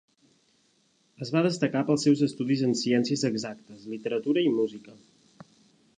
Es va destacar pels seus estudis en ciències exactes, literatura i música.